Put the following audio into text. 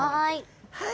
はい。